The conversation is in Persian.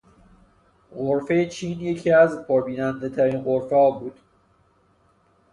غرفهٔ چین یکی از پربینندهترین غرفهها بود.